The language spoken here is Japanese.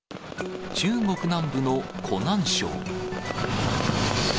中国南部の湖南省。